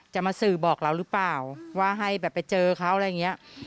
จะมาสื่อบอกเราหรือเปล่าว่าให้แบบไปเจอเขาอะไรอย่างนี้